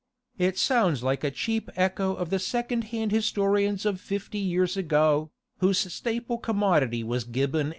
It sounds like a cheap echo of the second hand historians of fifty years ago, whose staple commodity was Gibbon and water.